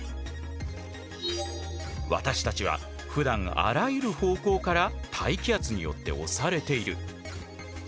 私たちはふだんあらゆる方向から大気圧によって押されている。